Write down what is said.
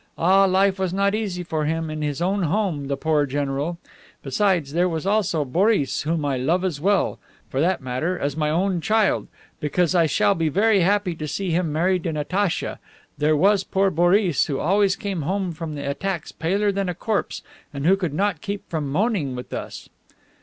Ah, life was not easy for him in his own home, the poor general! Besides, there was also Boris, whom I love as well, for that matter, as my own child, because I shall be very happy to see him married to Natacha there was poor Boris who always came home from the attacks paler than a corpse and who could not keep from moaning with us."